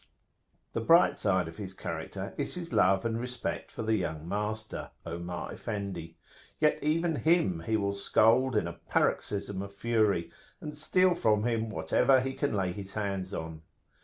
The bright side of his character is his love and respect for the young master, Omar Effendi; yet even him he will scold in a paroxysm of fury, and steal from him whatever he can lay his hands on.